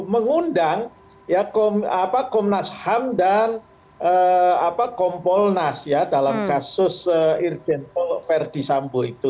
mengundang ya komnas ham dan kompolnas ya dalam kasus irjen pol verdi sampo itu